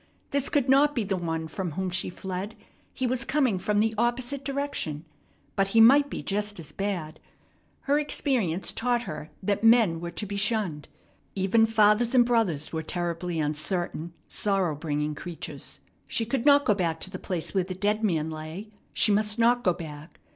This could not be the one from whom she fled. He was coming from the opposite direction, but he might be just as bad. Her experience taught her that men were to be shunned. Even fathers and brothers were terribly uncertain, sorrow bringing creatures. She could not go back to the place where the dead man lay. She must not go back.